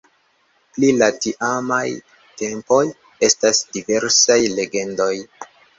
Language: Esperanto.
Pri la tiamaj tempoj estas diversaj legendoj.